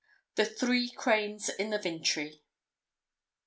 The Three Cranes in the Vintry.